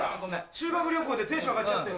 修学旅行でテンション上がっちゃって。